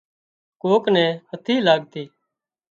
ڪوڪ نين نٿِي لاڳتي